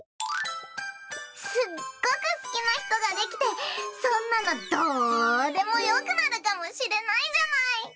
すっごくすきなひとができてそんなのどうでもよくなるかもしれないじゃない！